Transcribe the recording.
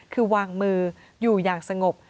คือวางมืออยู่อย่างสงบ